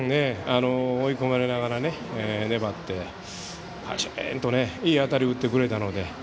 追い込まれながら粘ってパチーンとねいい当たりを打ってくれたので。